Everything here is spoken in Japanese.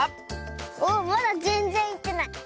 おっまだぜんぜんいってない。